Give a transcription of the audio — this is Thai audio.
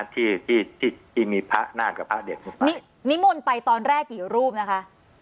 ที่ที่ที่มีพระนาฏกับพระเด็กนิมนต์ไปตอนแรกกี่รูปนะคะ